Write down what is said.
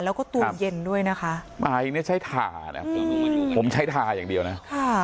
แล้วก็ตวงเย็นด้วยนะคะหาหิงเนี้ยใช้ทาอืมผมใช้ทาอย่างเดียวน่ะค่ะ